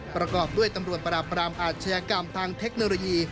ประกอบด้วยตำรวจปราบปรามอาชญากรรมทางเทคโนโลยี